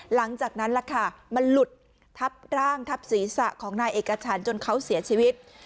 หลังจากนั้นล่ะค่ะมันหลุดทับร่างทับศีรษะของนายเอกฉันจนเขาเสียชีวิต